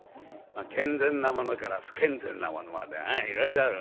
健全なものから不健全なものまでいろいろあるわけで。